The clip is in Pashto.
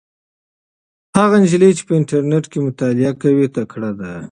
هغه نجلۍ چې په انټرنيټ کې مطالعه کوي تکړه ده.